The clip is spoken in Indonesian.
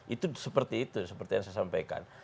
itu seperti itu seperti yang saya sampaikan